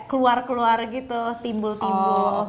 keluar keluar gitu timbul timbul